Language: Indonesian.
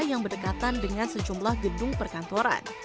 yang berdekatan dengan sejumlah gedung perkantoran